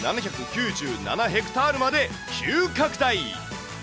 ヘクタールまで急拡大。